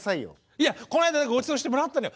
いやこの間ごちそうしてもらったのよ。